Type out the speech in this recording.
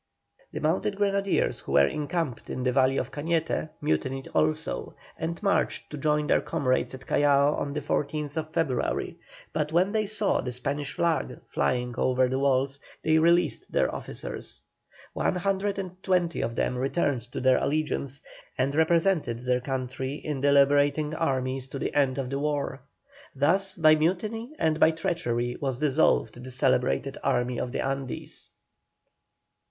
The mounted grenadiers who were encamped in the valley of Cañete, mutinied also, and marched to join their comrades at Callao on the 14th February, but when they saw the Spanish flag flying over the walls they released their officers. One hundred and twenty of them returned to their allegiance, and represented their country in the liberating armies to the end of the war. Thus by mutiny and by treachery was dissolved the celebrated Army of the Andes.